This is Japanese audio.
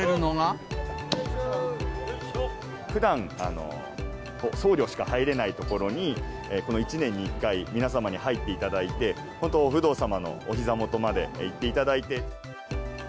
ふだん、僧侶しか入れない所に、この１年に１回、皆様に入っていただいて、本当、お不動様のおひざ元まで行っていただいて。